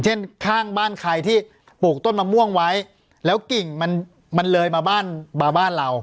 เช่นข้างบ้านใครที่ปลูกต้นมะม่วงไว้แล้วกิ่งมันมันเลยมาบ้านมาบ้านเรา